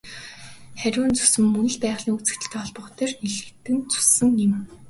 Халиун зүсэм нь мөн л байгалийн үзэгдэлтэй холбоотойгоор нэрлэгдсэн зүсэм юм.